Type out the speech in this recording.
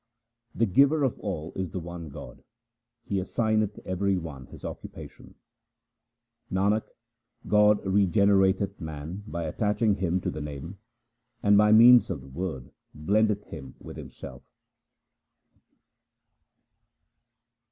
The Giver of all is the one God, He assigneth every one his occupation. Nanak, God regenerateth 1 man by attaching him to the Name, and by means of the Word blendeth him with Himself.